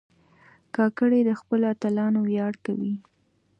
کاکړي د خپلو اتلانو ویاړ کوي.